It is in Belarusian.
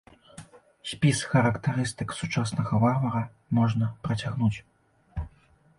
Спіс характарыстык сучаснага варвара можна працягнуць.